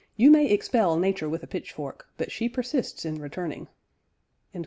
"You may expel nature with a pitchfork, but she persists in returning."